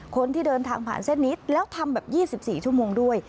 คนที่เดินทางผ่านเส้นนี้แล้วทำแบบ๒๔ชั่วโมงด้วย